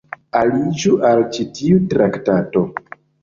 Aliĝu al ĉi tiu traktato.